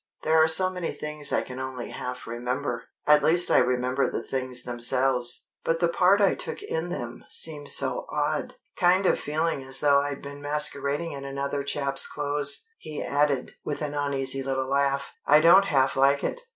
There are so many things I can only half remember at least I remember the things themselves, but the part I took in them seems so odd. Kind of feeling as though I'd been masquerading in another chap's clothes," he added, with an uneasy little laugh. "I don't half like it."